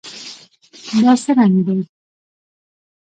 دا څه رنګ دی؟